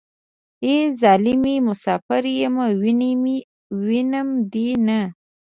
ای ظالمې مسافر يم وينم دې نه.